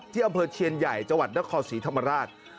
ที่อำเภอเชียญใหญก์จัวร์ดเคราสิริภรรรรถ